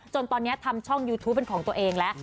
จนตอนนี้ทำช่องยูทูปเป็นของตัวเองแล้ว